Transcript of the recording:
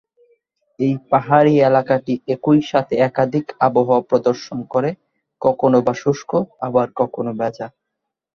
এই পাহাড়ি এলাকাটি একই সাথে একাধিক আবহাওয়া প্রদর্শন করে কখনো বা শুষ্ক আবার কখনো ভেজা।